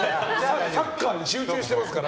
サッカーに集中してますから。